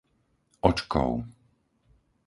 Očkov